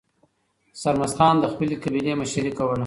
سرمست خان د خپلې قبیلې مشري کوله.